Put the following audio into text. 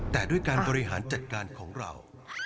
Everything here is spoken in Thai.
แต่ด้วยการบริหารจัดการของเรา